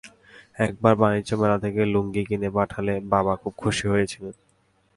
একবার বাণিজ্য মেলা থেকে লুঙ্গি কিনে পাঠালে বাবা খুব খুশি হয়েছিলেন।